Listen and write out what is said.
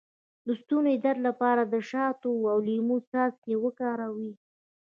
د ستوني د درد لپاره د شاتو او لیمو څاڅکي وکاروئ